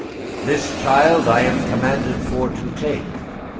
"This child I am commanded for to take."